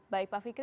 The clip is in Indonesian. baik pak fikri